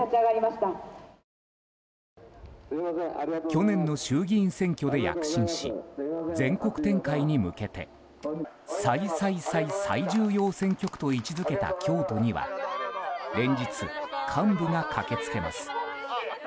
去年の衆議院選挙で躍進し全国展開に向けて最最最最重要選挙区と位置付けた京都には、連日幹部が駆け付けます。